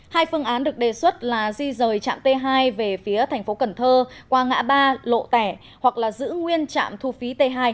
hai phương án được đề xuất là di rời trạm t hai về phía thành phố cần thơ qua ngã ba lộ tẻ hoặc là giữ nguyên trạm thu phí t hai